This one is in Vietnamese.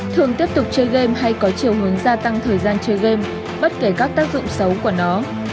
thường tiếp tục chơi game hay có chiều hướng gia tăng thời gian chơi game bất kể các tác dụng xấu của nó